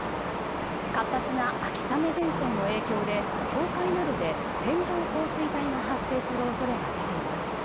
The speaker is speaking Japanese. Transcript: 活発な秋雨前線の影響で東海などで、線状降水帯が発生する恐れが出ています。